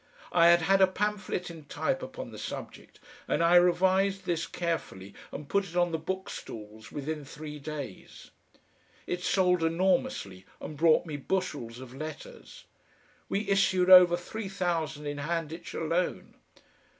I had had a pamphlet in type upon the subject, and I revised this carefully and put it on the book stalls within three days. It sold enormously and brought me bushels of letters. We issued over three thousand in Handitch alone.